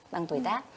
bằng tuổi tác